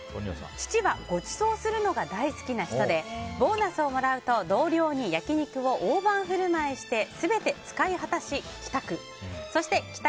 父はごちそうするのが大好きな人でボーナスをもらうと同僚に焼き肉を大盤振る舞いして全て使い果たし帰宅。